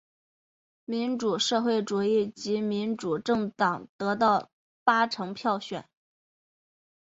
民主社会主义及民主政党得到八成选票。